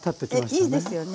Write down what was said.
ねっいいですよね。